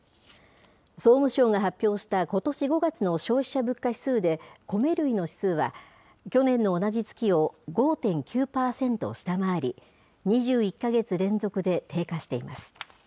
総務省が発表したことし５月の消費者物価指数で、米類の指数は、去年の同じ月を５．９％下回り、２１か月連続で低下しています。